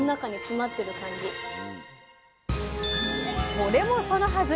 それもそのはず！